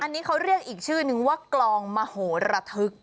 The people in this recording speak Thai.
อันนี้เขาเรียกอีกชื่อนึงว่ากลองมโหระทึก